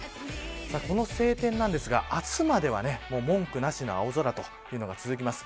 この晴天なんですが明日までは文句なしの青空が続きます。